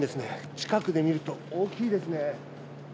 近くで見ると大きいですね。